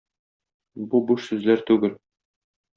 Бу буш сүзләр түгел.